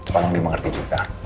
tolong dimengerti juga